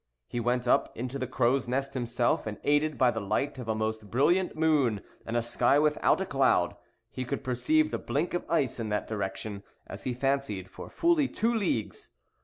He went up into the crow's nest himself, and, aided by the light of a most brilliant moon, and a sky without a cloud, he could perceive the blink of ice in that direction, as he fancied, for fully two leagues.